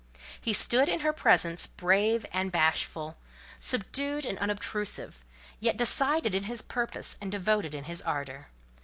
He stood in her presence brave and bashful: subdued and unobtrusive, yet decided in his purpose and devoted in his ardour.